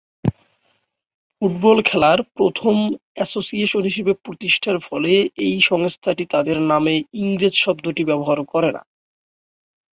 Football খেলার প্রথম association হিসেবে প্রতিষ্ঠার ফলে এই সংস্থাটি তাদের নামে "ইংরেজ" শব্দটি ব্যবহার করে না।